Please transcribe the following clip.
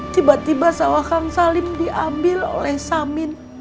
tiba tiba sawah kang salim diambil oleh samin